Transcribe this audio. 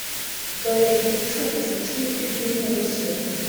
dore igicucu cyibiti byinturusu